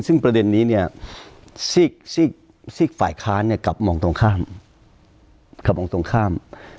ซึ่งประเด็นนี้เนี่ยซิกฝ่ายค้านกลับมองตรงข้าม